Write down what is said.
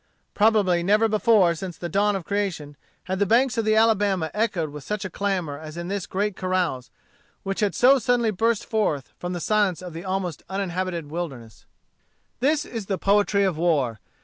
Probably never before, since the dawn of creation, had the banks of the Alabama echoed with such a clamor as in this great carouse, which had so suddenly burst forth from the silence of the almost uninhabited wilderness. This is the poetry of war.